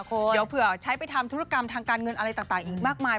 เดี๋ยวเผื่อใช้ไปทำธุรกรรมทางการเงินอะไรต่างอีกมากมาย